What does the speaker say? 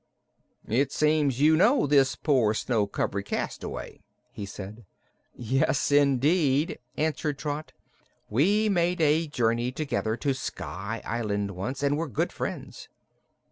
"It seems you know this poor, snow covered cast away," he said. "Yes, indeed," answered Trot. "We made a journey together to Sky Island, once, and were good friends."